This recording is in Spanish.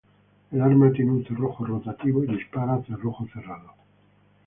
El arma tiene un cerrojo rotativo y dispara a cerrojo cerrado.